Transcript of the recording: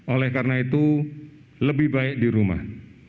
oleh karena itu lebih baik di rumah